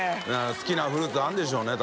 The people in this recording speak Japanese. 好きなフルーツあるんでしょうね